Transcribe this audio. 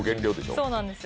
そうなんですよ。